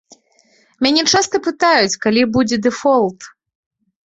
Мяне часта пытаюць, калі будзе дэфолт.